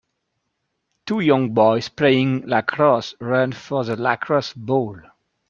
Two young boys playing lacrosse run for the lacrosse ball.